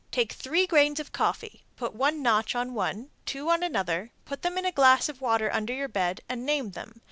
Take three grains of coffee, put one notch on one, two on another, put them in a glass of water under your bed, and name them.